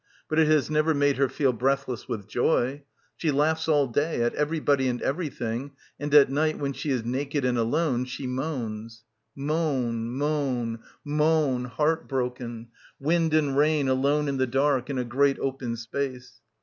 But it has never made her feel breathless with joy. She laughs all day, at everybody and everything, and at night when she is naked and alone she moans; moan, moan, moan, heart broken; wind and rain alone in the dark in a great open space.